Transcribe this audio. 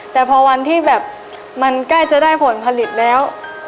แต่พอวันที่แบบมันใกล้จะได้ผลผลิตแล้ว